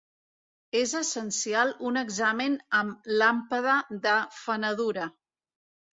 És essencial un examen amb làmpada de fenedura.